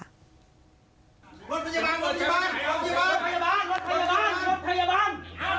รถพยาบาลรถพยาบาลรถพยาบาลรถพยาบาลรถพยาบาล